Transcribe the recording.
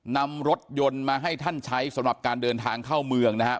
นำรถยนต์มาให้ท่านใช้สำหรับการเดินทางเข้าเมืองนะฮะ